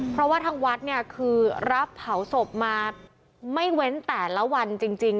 เพราะว่าทางวัดเนี่ยคือรับเผาศพมาไม่เว้นแต่ละวันจริง